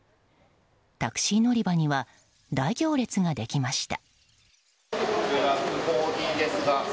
タクシー乗り場には大行列ができました。